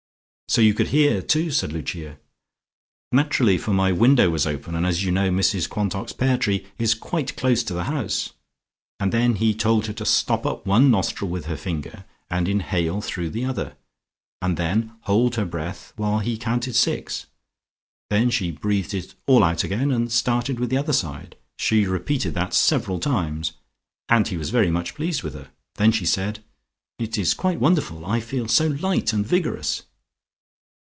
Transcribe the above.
'" "So you could hear too," said Lucia. "Naturally, for my window was open, and as you know Mrs Quantock's pear tree is quite close to the house. And then he told her to stop up one nostril with her finger and inhale through the other, and then hold her breath, while he counted six. Then she breathed it all out again, and started with the other side. She repeated that several times and he was very much pleased with her. Then she said, 'It is quite wonderful; I feel so light and vigorous.'"